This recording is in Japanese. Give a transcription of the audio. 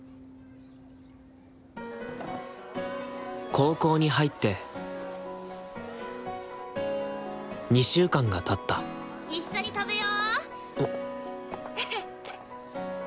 高校に入って２週間がたった一緒に食べよ。